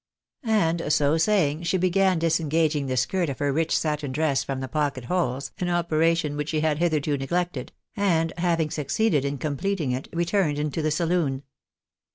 And so saying, she began disengaging the skirt of her rich satin dress from the pocket holes, an operation which she had hitherto neglected, and having succeeded in completing it, re turned into the saloon.